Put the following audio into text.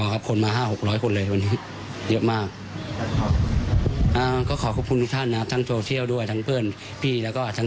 เหตุการณ์นี้ผู้ใหญ่ยัง